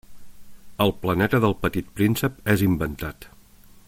El planeta del Petit Príncep és inventat.